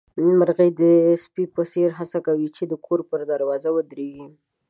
مرغۍ د سپي په څېر هڅه کوله چې د کور پر دروازه ودرېږي.